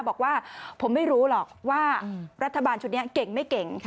บอกว่าผมไม่รู้หรอกว่ารัฐบาลชุดนี้เก่งไม่เก่ง